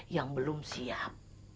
yang belum siap